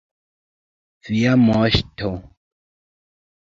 Via moŝto!